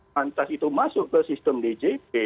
lantas itu masuk ke sistem djp